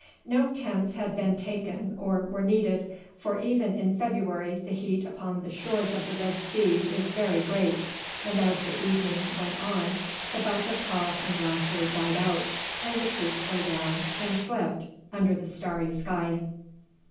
No tents had been taken or were needed, for even in February the heat upon the shores of the Red Sea is very great; and as the evening went on the buzz of talk and laughter died out, and the troops lay down and slept under the starry sky.